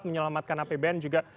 menyelamatkan apbn juga